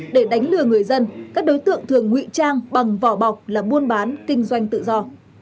để đánh lừa người dân các đối tượng thường ngụy trang bằng vỏ bọc là buôn bán kinh doanh tự do